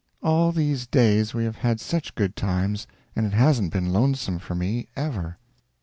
All these days we have had such good times, and it hasn't been lonesome for me, ever.